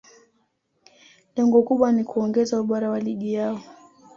lengo kubwa ni kuongeza ubora wa ligi yao